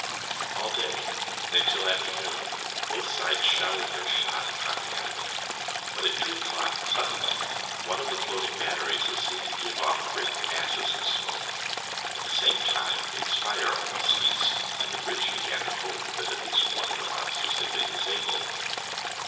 All day, and un til afternoon, both sides showered their shot upon the enemy, but at two o'clock suddenly one of the floating batteries was seen to give off great masses of smoke. At the same time its fire almost ceased, and the British began to hope that at least one of the monsters had been disabled.